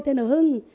tên là hưng